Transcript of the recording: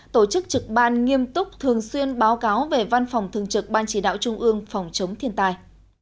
tổ chức trực ban nghiêm túc thường xuyên báo cáo về văn phòng thường trực ban chỉ đạo trung ương phòng chống thiên tai